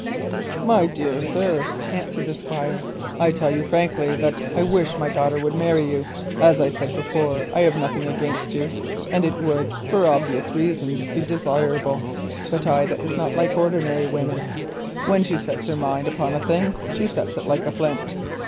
"My dear sir," answered the Squire, "I tell you frankly that I wish my daughter would marry you. As I said before, it would for obvious reasons be desirable. But Ida is not like ordinary women. When she sets her mind upon a thing she sets it like a flint.